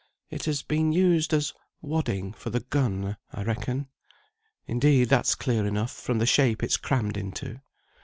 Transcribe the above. "It has been used as wadding for the gun, I reckon; indeed, that's clear enough, from the shape it's crammed into.